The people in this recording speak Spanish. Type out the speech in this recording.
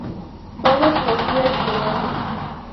Todos los días del año.